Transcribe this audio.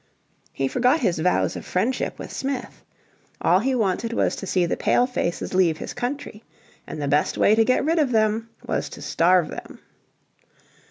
He forgot his vows of friendship With Smith. All he wanted was to see the Palefaces leave his country. And the best way to get rid of them was to starve them.